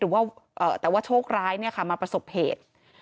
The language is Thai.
หรือว่าแต่ว่าโชคร้ายมาประสบเหตุ